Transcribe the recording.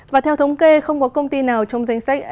và theo thống kê không có công ty nào trong danh sách